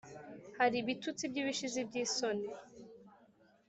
hari ibitutsi by’ibishizi by’isoni